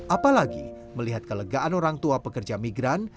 apalagi melihat kelegaan orang tua pekerja migran